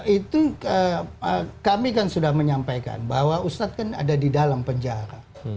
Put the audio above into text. nah itu kami sudah menyampaikan bahwa ustaz kan ada di dalam penjara